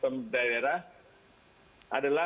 pertama kita harus melakukan pelacakan kontak